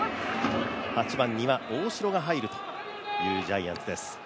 ８番には大城が入るというジャイアンツです。